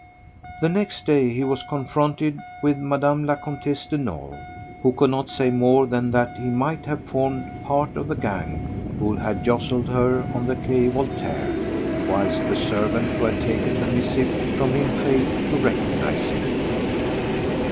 The next day he was confronted with Mme. la Comtesse de Nolé, who could not say more than that he might have formed part of the gang who had jostled her on the Quai Voltaire, whilst the servant who had taken the missive from him failed to recognize him.